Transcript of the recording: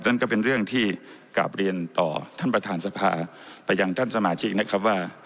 นั่นก็เป็นเรื่องที่กลับเรียนต่อท่านประธานสภาไปยังท่านสมาชิกนะครับว่า